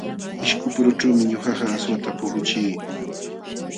Ishkupurućhuumi ñuqaqa aswata puquchii.